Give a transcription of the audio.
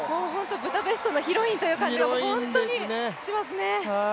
ブダペストのヒロインという感じが本当にしますね。